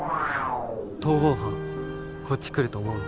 逃亡犯こっち来ると思う？